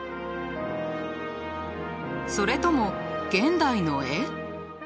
それとも現代の絵？